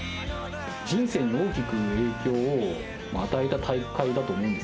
人生に大きく影響を与えた大会だと思うんです、